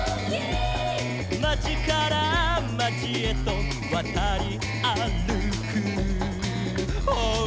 「まちからまちへとわたりあるく」「」